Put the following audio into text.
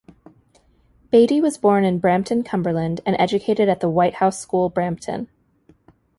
Batey was born in Brampton, Cumberland, and educated at the White House School, Brampton.